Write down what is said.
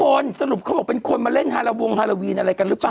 คนสรุปเขาบอกเป็นคนมาเล่นฮาระวงฮาโลวีนอะไรกันหรือเปล่า